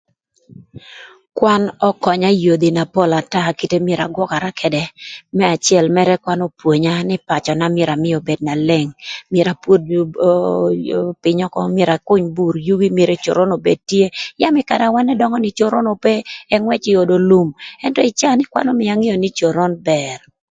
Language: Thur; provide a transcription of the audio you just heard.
Kwan ökönya ï yodhi na pol ata ï kite na myero agwökara ködë. Më acël mërë kwan opwonya nï pacöna myero amïï obed na leng, myero apwod oo pïny ökö, myero aküny bur yugi myero coron obed tye yam ï karë na wan ëdöngö ni coron ope ëngwëcö ï öd lum ëntö ï caa ni kwan ömïö angeo nï coron bër.